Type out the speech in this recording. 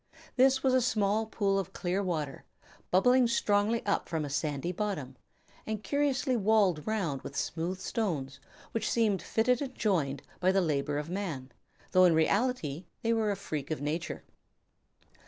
This was a small pool of clear water, bubbling strongly up from a sandy bottom, and curiously walled round with smooth stones, which seemed fitted and joined by the labor of man, though in reality they were a freak of nature.